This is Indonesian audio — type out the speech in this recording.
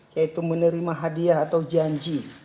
yaitu menerima hadiah atau janji